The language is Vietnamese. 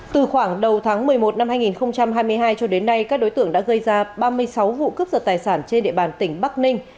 từ khoảng đầu tháng một mươi một năm hai nghìn hai mươi hai cho đến nay các đối tượng đã gây ra ba mươi sáu vụ cướp giật tài sản trên địa bàn tỉnh bắc ninh